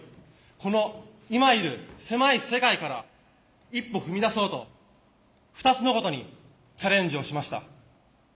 この今いる狭い世界から一歩踏み出そうと２つのことにチャレンジをしました。